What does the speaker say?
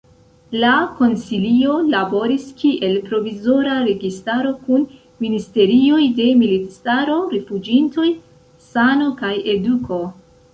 La Konsilio laboris kiel provizora registaro, kun ministerioj de militistaro, rifuĝintoj, sano kaj eduko.